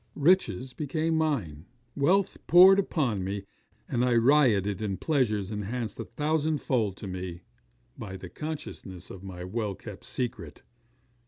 'Riches became mine, wealth poured in upon me, and I rioted in pleasures enhanced a thousandfold to me by the consciousness of my well kept secret.